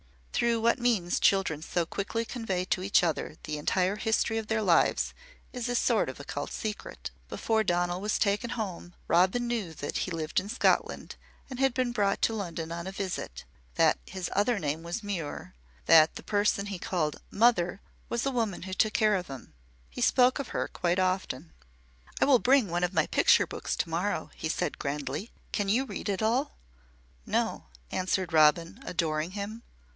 Through what means children so quickly convey to each other the entire history of their lives is a sort of occult secret. Before Donal was taken home, Robin knew that he lived in Scotland and had been brought to London on a visit, that his other name was Muir, that the person he called "mother" was a woman who took care of him. He spoke of her quite often. "I will bring one of my picture books to morrow," he said grandly. "Can you read at all?" "No," answered Robin, adoring him.